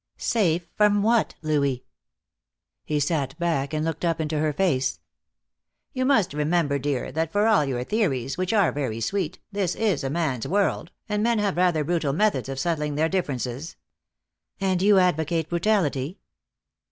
"Safe from what, Louis?" He sat back and looked up into her face. "You must remember, dear, that for all your theories, which are very sweet, this is a man's world, and men have rather brutal methods of settling their differences." "And you advocate brutality?"